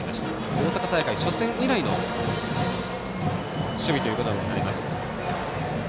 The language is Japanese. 大阪大会初戦以来の守備ということになります。